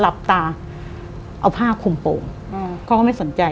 หลับตาเอาผ้าคุมโป่งเขาก็ไม่สนใจ